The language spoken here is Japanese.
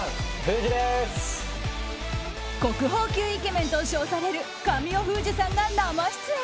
国宝級イケメンと称される神尾楓珠さんが生出演。